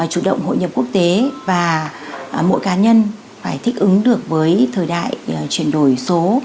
chủ động hội nhập quốc tế và mỗi cá nhân phải thích ứng được với thời đại chuyển đổi số